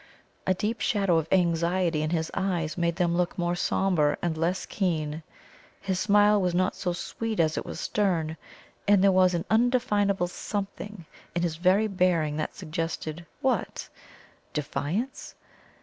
A deep shadow of anxiety in his eyes made them look more sombre and less keen; his smile was not so sweet as it was stern, and there was an undefinable SOMETHING in his very bearing that suggested what? Defiance?